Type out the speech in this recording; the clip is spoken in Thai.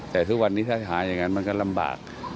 แต่ทุกวันนี้ถ้าหาอย่างนั้นมันก็ลำบาก